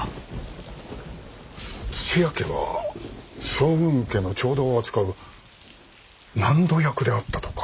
土屋家は将軍家の調度を扱う納戸役であったとか。